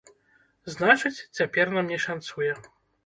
Значыць, цяпер нам не шанцуе.